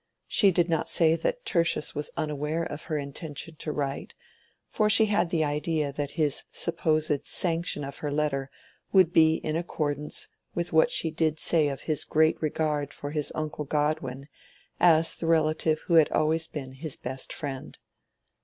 She did not say that Tertius was unaware of her intention to write; for she had the idea that his supposed sanction of her letter would be in accordance with what she did say of his great regard for his uncle Godwin as the relative who had always been his best friend.